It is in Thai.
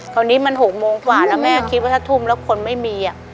คราวนี้มัน๖โมงกว่าแล้วแม่คิดว่าถ้าทุ่มแล้วคนไม่มี